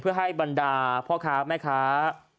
เพื่อให้บรรดาพ่อค้าแม่ค้า